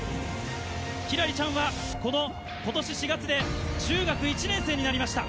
輝星ちゃんはこの今年４月で中学１年生になりました。